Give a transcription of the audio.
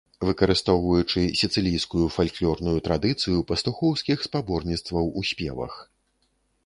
Выкарыстоўваючы сіцылійскую фальклорную традыцыю пастухоўскіх спаборніцтваў у спевах.